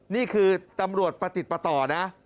นี่คือตำรวจประติดประต่อนะ